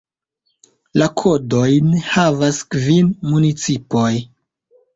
La kodojn havas kvin municipoj.